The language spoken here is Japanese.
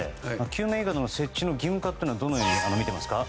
救命いかだの設置の義務化というのはどのように見ていますか？